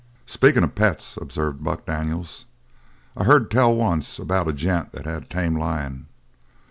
"Speakin' of pets," observed Buck Daniels, "I heard tell once about a gent that had a tame lion.